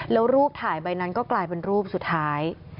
แล้วรูปถ่ายใบนั้นก็กลายเป็นรูปสุดท้าย